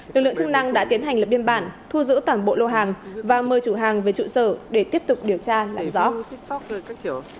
lực lượng chức năng đã tiến hành lập biên bản thu giữ toàn bộ lô hàng và mời chủ hàng về trụ sở để tiếp tục điều tra làm rõ